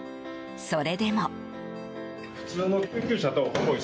それでも。